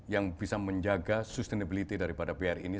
yang bisa menjaga sustainability daripada br ini